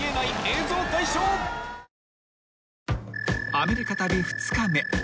［アメリカ旅２日目。